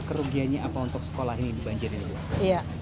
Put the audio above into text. kerugiannya apa untuk sekolah ini di banjir ini